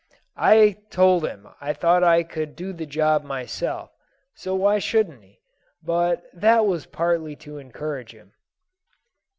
"I told him I thought I could do the job myself, so why shouldn't he? but that was partly to encourage him.